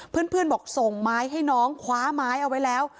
เพื่อนบอกส่งไม้ให้น้องคว้าไม้เอาไว้แล้ว